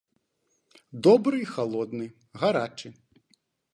Добры і халодны, гарачы.